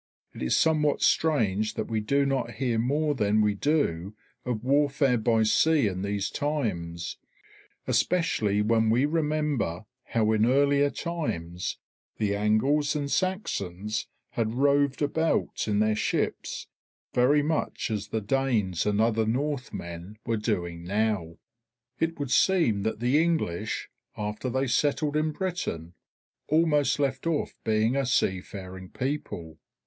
It is somewhat strange that we do not hear more than we do of warfare by sea in these times, especially when we remember how in earlier times the Angles and Saxons had roved about in their ships, very much as the Danes and other Northmen were doing now. It would seem that the English, after they settled in Britain, almost left off being a seafaring people.